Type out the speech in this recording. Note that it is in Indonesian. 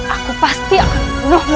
aku pasti akan membunuhmu